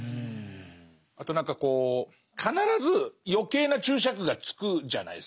あと何か必ず余計な注釈がつくじゃないですか。